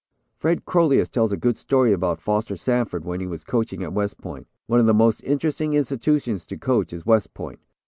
'" Fred Crolius tells a good story about Foster Sanford when he was coaching at West Point. One of the most interesting institutions to coach is West Point.